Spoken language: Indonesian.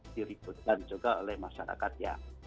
diributkan juga oleh masyarakat ya